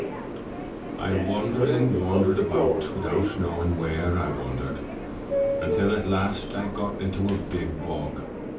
"I wandered and wandered about, without knowing where I wandered, until at last I got into a big bog.